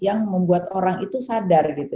dan juga membuat orang itu sadar gitu